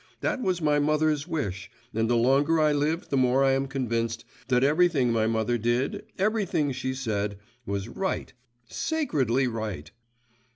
That was my mother's wish, and the longer I live the more I am convinced that everything my mother did, everything she said, was right, sacredly right.